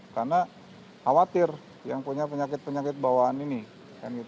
karena khawatir yang punya penyakit penyakit bawaan ini